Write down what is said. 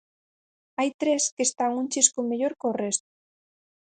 Hai tres que están un chisco mellor có resto.